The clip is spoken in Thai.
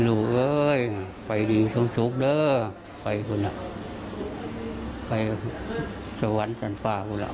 ลูกเอ้ยไปดีทั้งสุขเด้อไปคุณอะไปสวรรค์จันทร์ฟ้าคุณอะ